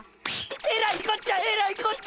えらいこっちゃえらいこっちゃ！